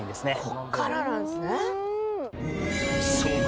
こっからなんですね。